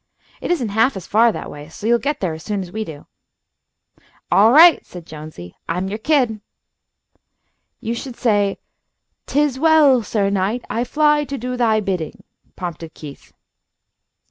It isn't half as far that way, so you'll get there as soon as we do." "All right," said Jonesy. "I'm your kid." "You should say, ''Tis well, Sir Knight, I fly to do thy bidding,'" prompted Keith.